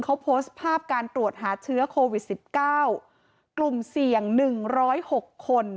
เขาโพสต์ภาพการตรวจหาเชื้อโควิดสิบเก้ากลุ่มเสี่ยง๑๐๖คน